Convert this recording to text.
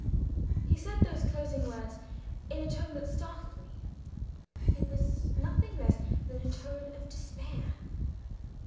He said those closing words in a tone that startled me. It was nothing less than a tone of despair.